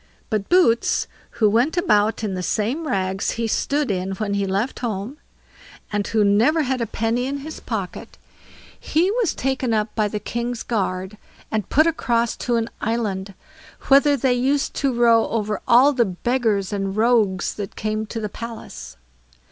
But Boots, who went about in the same rags he stood in when he left home, and who had never a penny in his pocket, he was taken up by the king's guard, and put across to an island, whither they used to row over all the beggars and rogues that came to the palace.